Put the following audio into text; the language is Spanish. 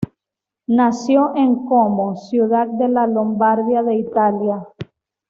Nació en Como, ciudad de la Lombardía de Italia.